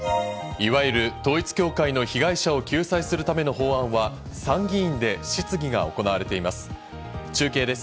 いわゆる統一教会の被害者を救済するための法案は参議院で質疑が行われています。